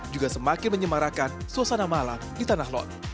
juga semakin menyemarakan suasana malam di tanah lot